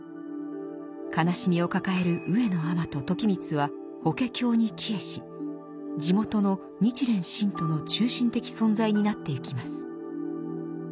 悲しみを抱える上野尼と時光は「法華経」に帰依し地元の日蓮信徒の中心的存在になっていきます。